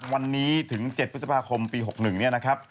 วันนี้ถึง๗พฤษภาคมปี๖๑เนี่ยนะครับ